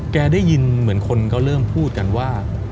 ได้ยินเหมือนคนเขาเริ่มพูดกันว่า